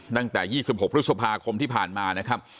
ตั้งแต่๒๖พฤษภาคมที่ผ่านมานะครับ